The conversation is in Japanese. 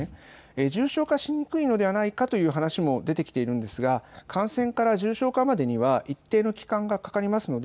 重症化しにくいのではないかという話も出てきているんですが、感染から重症化までには一定の期間がかかりますので